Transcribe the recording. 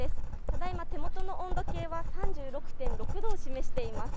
ただいま手元の温度計は３６．６度を示しています。